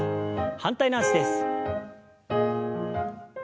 反対の脚です。